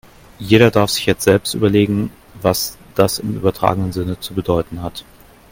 Jeder darf sich jetzt selbst überlegen, was das im übertragenen Sinne zu bedeuten hat.